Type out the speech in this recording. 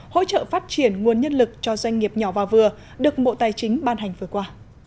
hỗ trợ phát triển nguồn nhân lực cho doanh nghiệp nhỏ và vừa được bộ tài chính ban hành vừa qua